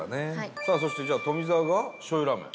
さあ、そして、じゃあ富澤が醤油ラーメン？